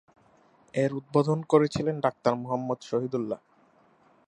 এর উদ্বোধন করেছিলেন ডাক্তার মহম্মদ শহীদুল্লাহ।